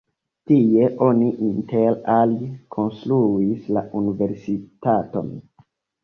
Tie oni inter alie konstruis la universitaton.